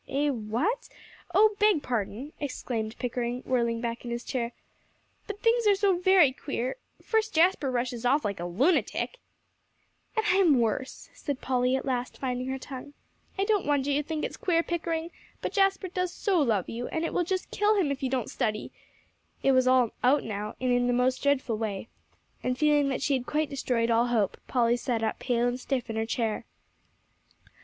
"Eh what? Oh, beg pardon," exclaimed Pickering, whirling back in his chair, "but things are so very queer; first Jasper rushes off like a lunatic " "And I am worse," said Polly, at last finding her tongue. "I don't wonder you think it's queer, Pickering, but Jasper does so love you, and it will just kill him if you don't study." It was all out now, and in the most dreadful way. And feeling that she had quite destroyed all hope, Polly sat up pale and stiff in her chair.